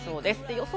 予想